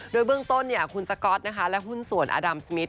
โดยเบื้องต้นคุณสก๊อตนะคะและหุ้นส่วนอดัมสมิท